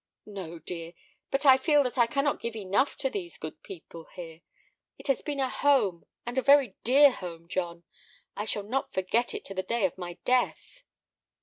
"No, dear; but I feel that I cannot give enough to these good people here. It has been a home, and a very dear home, John; I shall not forget it to the day of my death."